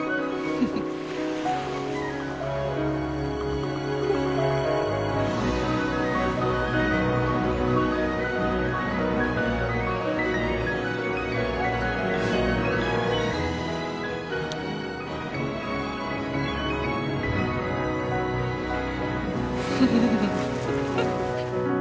フフフフフ。